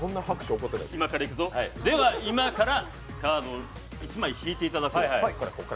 では今からカードを１枚引いていただこう。